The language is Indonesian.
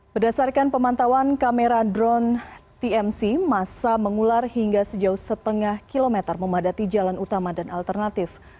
berdasarkan pemantauan kamera drone tmc masa mengular hingga sejauh setengah kilometer memadati jalan utama dan alternatif